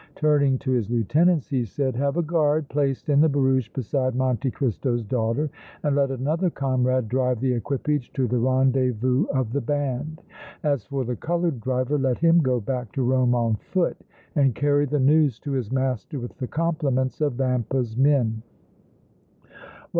Turning to his lieutenants, he said: "Have a guard placed in the barouche beside Monte Cristo's daughter and let another comrade drive the equipage to the rendezvous of the band. As for the colored driver, let him go back to Rome on foot and carry the news to his master with the compliments of Vampa's men!"